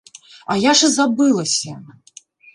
А я ж і забылася!